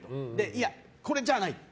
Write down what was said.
いや、これじゃないと。